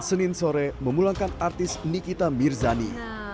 senin sore memulangkan artis nikita mirzani